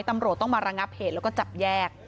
ตำรวจต้องมาระงับเหตุแล้วก็จับแยก